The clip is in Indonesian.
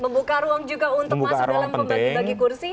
membuka ruang juga untuk masuk dalam pembagi bagi kursi